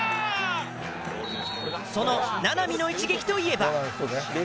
その名波の一撃といえば。